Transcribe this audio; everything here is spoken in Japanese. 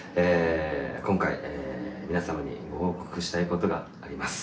今回、皆様にご報告したいことがあります。